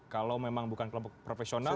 kalau memang bukan kelompok profesional